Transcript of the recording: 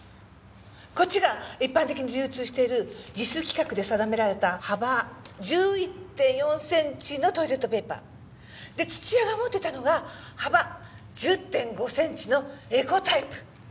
こっちが一般的に流通しているＪＩＳ規格で定められた幅１１．４センチのトイレットペーパー。で土屋が持ってたのが幅１０．５センチのエコタイプ。